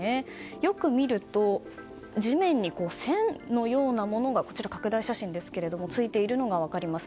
よく見ると、地面に線のようなものが左が拡大写真ですがついているのが分かります。